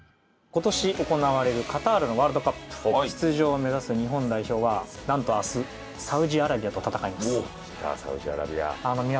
今年行われるカタールのワールドカップ出場を目指す日本代表はなんと明日サウジアラビアと戦います。